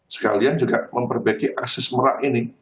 sekalian juga memperbaiki akses merak ini